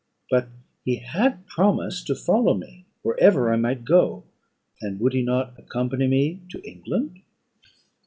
But he had promised to follow me wherever I might go; and would he not accompany me to England?